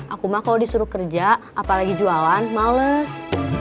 aku mah kalau disuruh kerja apalagi jualan males